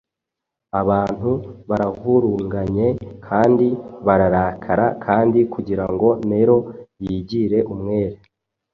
Abantu baravurunganye kandi bararakara kandi kugira ngo Nero yigire umwere